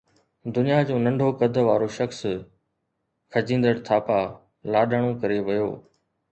دنيا جو ننڍو قد وارو شخص کجيندر ٿاپا لاڏاڻو ڪري ويو